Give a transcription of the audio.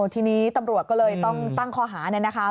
ทีนี้ตำรวจก็เลยต้องตั้งข้อหาเนี่ยนะคะ